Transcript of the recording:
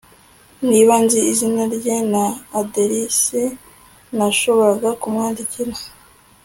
Niba nzi izina rye na aderesi nashoboraga kumwandikira